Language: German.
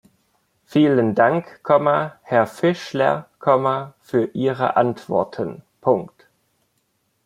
Vielen Dank, Herr Fischler, für Ihre Antworten.